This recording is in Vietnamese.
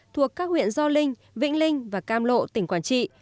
thuộc các huyện do linh vĩnh linh và cam lộ tỉnh quảng trị